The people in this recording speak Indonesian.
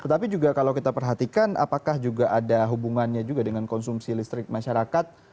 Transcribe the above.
tapi saya perhatikan apakah juga ada hubungannya juga dengan konsumsi listrik masyarakat